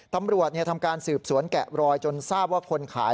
ตำรวจทำการสืบสวนแกะรอยจนทราบว่าคนขาย